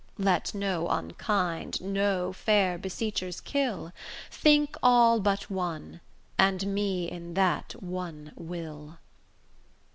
Let no unkind 'No' fair beseechers kill; Think all but one, and me in that one 'Will.